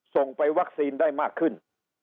ส่งไปวัคซีนได้มากขึ้น